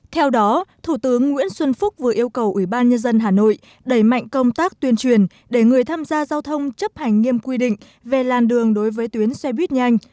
theo đó thủ tướng nguyễn xuân phúc vừa yêu cầu ủy ban nhân dân hà nội đẩy mạnh công tác tuyên truyền để người tham gia giao thông chấp hành nghiêm quy định về làn đường đối với tuyến xe buýt nhanh